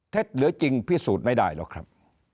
หรือจริงพิสูจน์ไม่ได้หรอกครับ